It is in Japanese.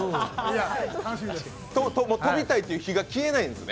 飛びたいという火が消えないんですね。